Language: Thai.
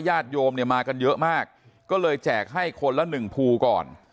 ญาติโยมเนี่ยมากันเยอะมากก็เลยแจกให้คนละหนึ่งภูก่อน